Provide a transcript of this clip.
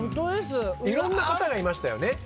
いろんな方がいましたよね。